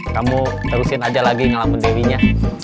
kamu terusin aja lagi ngalamin dirinya